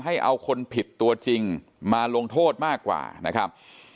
ให้เอาคนผิดตัวจริงมาลงโทษมากกว่านะครับ